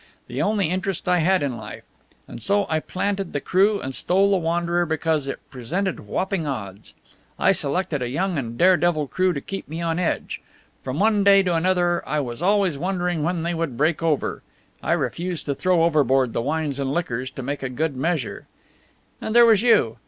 The only interest I had in life. And so I planted the crew and stole the Wanderer because it presented whopping odds. I selected a young and dare devil crew to keep me on edge. From one day to another I was always wondering when they would break over. I refused to throw overboard the wines and liquors to make a good measure. And there was you.